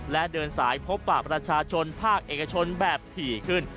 และเดินสายพบปากประชาชนภาคเอกชนแบบถี่ขึ้น